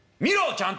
ちゃんと。